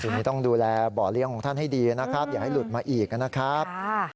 ทีนี้ต้องดูแลบ่อเลี้ยงของท่านให้ดีนะครับอย่าให้หลุดมาอีกนะครับ